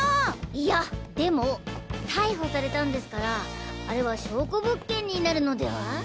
いやでも逮捕されたんですからあれは証拠物件になるのでは？